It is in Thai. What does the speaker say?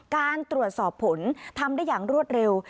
การตรวจสอบผลทำได้อย่างรวดเร็ว